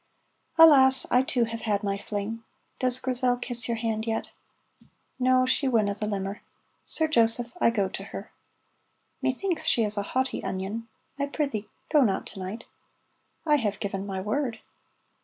"Alas, I too have had my fling. (Does Grizel kiss your hand yet?)" "(No, she winna, the limmer.) Sir Joseph, I go to her." "Methinks she is a haughty onion. I prithee go not to night." "I have given my word."